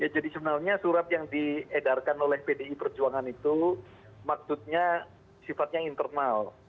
jadi sebenarnya surat yang diedarkan oleh pdi perjuangan itu maksudnya sifatnya internal